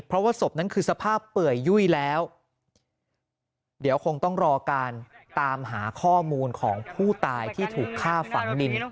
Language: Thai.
เพราะว่าศพนั้นคือสภาพเปื่อยยุ่ยแล้วเดี๋ยวคงต้องรอการตามหาข้อมูลของผู้ตายที่ถูกฆ่าฝังดิน